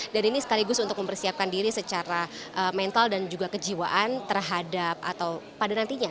dan ini sekaligus untuk mempersiapkan diri secara mental dan juga kejiwaan terhadap atau pada nantinya